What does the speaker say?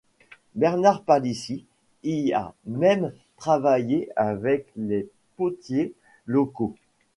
Bernard Palissy y a même travaillé avec les potiers locaux.